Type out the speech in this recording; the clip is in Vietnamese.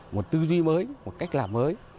một tư duy mới một cách làm mới